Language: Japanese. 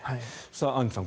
アンジュさん